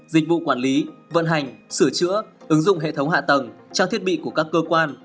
dịch vụ quản lý vận hành sửa chữa ứng dụng hệ thống hạ tầng trang thiết bị của các cơ quan